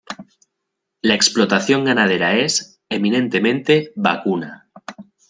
La explotación ganadera es, eminentemente, vacuna.